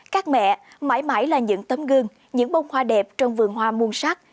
các mẹ mãi mãi là những tấm gương những bông hoa đẹp trong vườn hoa muôn sắc